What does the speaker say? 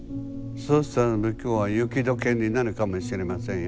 そうしたら向こうは雪解けになるかもしれませんよ。